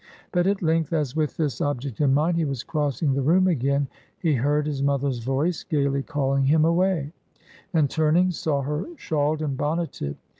But at length, as with this object in mind, he was crossing the room again, he heard his mother's voice, gayly calling him away; and turning, saw her shawled and bonneted.